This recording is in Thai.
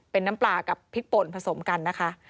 เป็นน้ำปลากับพริกป่นผสมกันนะคะ